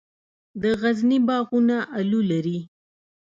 د غزني باغونه الو لري.